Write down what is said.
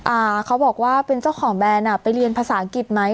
อ่าเขาบอกว่าเป็นเจ้าของแบรนด์อ่ะไปเรียนภาษาอังกฤษไหม